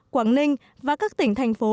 quảng ninh và các tỉnh thành phố